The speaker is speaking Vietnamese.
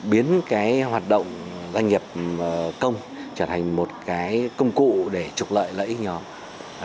biến hoạt động doanh nghiệp công trở thành một công cụ để trục lợi lợi ích nhóm